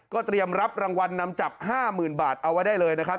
เตรียมรับรางวัลนำจับ๕๐๐๐บาทเอาไว้ได้เลยนะครับ